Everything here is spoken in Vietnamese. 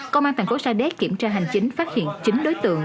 công an thành phố sa đéc kiểm tra hành chính phát hiện chín đối tượng